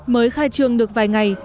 mới khai trường được vài ngày